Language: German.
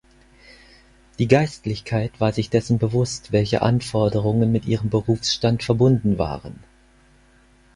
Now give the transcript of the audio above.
Die Geistlichkeit war sich dessen bewusst, welche Anforderungen mit ihrem Berufsstand verbunden waren.